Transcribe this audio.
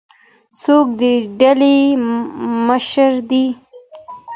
څوک د ډلي مشر دی؟